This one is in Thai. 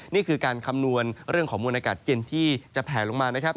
นี่คือการคำนวณเรื่องของมวลอากาศเย็นที่จะแผลลงมานะครับ